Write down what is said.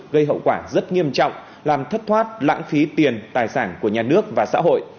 gây hậu quả rất nghiêm trọng làm thất thoát lãng phí tiền tài sản của nhà nước và xã hội